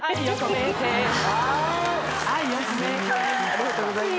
ありがとうございます。